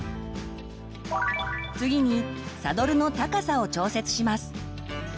次にサドルの高さを調節します。